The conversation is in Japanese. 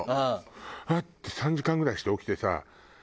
フッて３時間ぐらいして起きてさ。